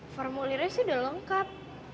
formulirnya sih udah lengkap